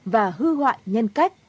và hư hoại nhân cách